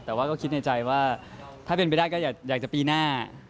แต่ว่าก็คิดในใจว่าถ้าเป็นไปได้ก็อยากจะปีหน้า